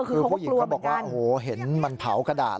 คือผู้หญิงเขาบอกว่าโอ้โหเห็นมันเผากระดาษ